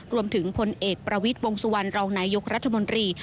รวมถึงผลเอกประวิทย์วงสุวรรณรองนายุครัฐมนตรี